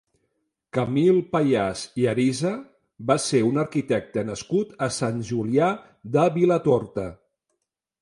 Camil Pallàs i Arisa va ser un arquitecte nascut a Sant Julià de Vilatorta.